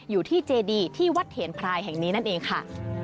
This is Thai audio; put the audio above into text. อยู่ที่เจดีที่วัดเถนพรายแห่งนี้นั่นเองค่ะ